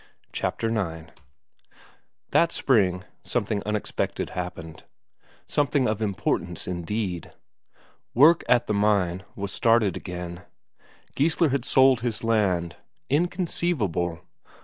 Chapter IX That spring something unexpected happened something of importance indeed; work at the mine was started again; Geissler had sold his land. Inconceivable!